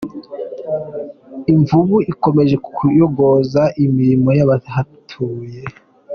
Imvubu ikomeje kuyogoza imirima y’abahatuye